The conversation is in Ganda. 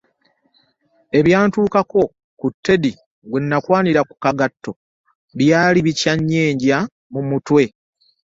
Ebyantuukako ku Teddy, gwe nakwanira ku kagatto, byali bikyannyenja mu bwongo.